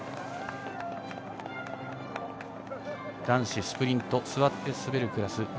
男子スプリント座って滑るクラス。